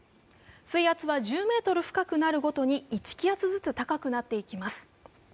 水圧は１０ｍ深くなるごとに１気圧ずつ高くなっていきます。